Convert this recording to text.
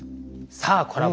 さあコラボ